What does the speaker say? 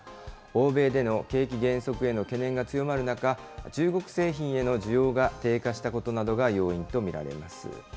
欧米での景気減速への懸念が強まる中、中国製品への需要が低下したことなどが要因と見られます。